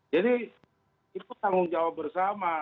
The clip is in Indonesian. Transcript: jadi itu tanggung jawab bersama